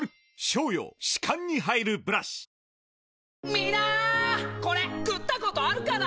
みんなこれ食ったことあるかな？